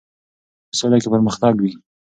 په سوله کې پرمختګ وي.